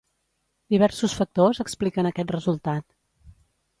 Diversos factors expliquen aquest resultat.